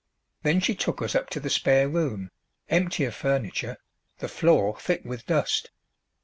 Then she took us up to the spare room, empty of furniture, the floor thick with dust.